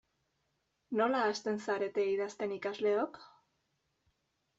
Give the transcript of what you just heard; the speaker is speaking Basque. Nola hasten zarete idazten ikasleok?